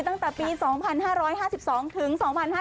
ตั้งแต่ปี๒๕๕๒ถึง๒๕๕๙